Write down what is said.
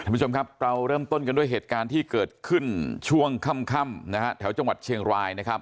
เราเริ่มต้นกันด้วยเหตุภาพที่เกิดขึ้นช่วงค่ำแถวจังหวัดเชียงราย